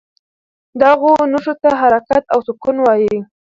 دغو نښو ته حرکات او سکون وايي.